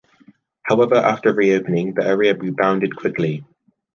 However after reopening, the area rebounded quickly.